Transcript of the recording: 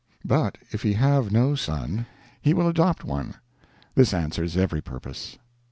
But if he have no son, he will adopt one. This answers every purpose.